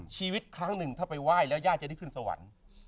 ชีวิดครั้งนึงไปไหว้ย่าที่จะได้ขึ้นสวรรค์